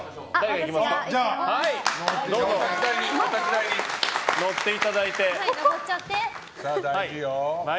お立ち台に乗っていただいて。